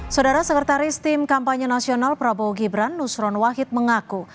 saudara sekretaris tim kampanye nasional prabowo gibran nusron wahid mengaku